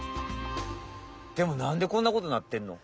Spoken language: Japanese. でもなんでこんなことになってんの？